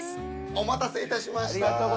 お待たせいたしました